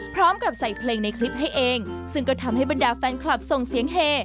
พร้อมกับใส่เพลงในคลิปให้เองซึ่งก็ทำให้บรรดาแฟนคลับส่งเสียงเฮ